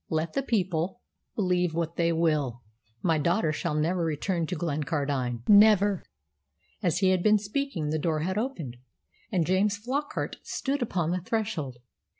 "Let the people believe what they will. My daughter shall never return to Glencardine never!" As he had been speaking the door had opened, and James Flockart stood upon the threshold.